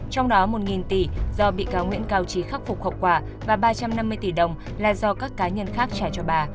trong đó một tỷ do bị cáo nguyễn cao trí khắc phục hậu quả và ba trăm năm mươi tỷ đồng là do các cá nhân khác trả cho bà